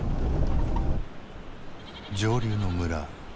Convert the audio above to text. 上流の村。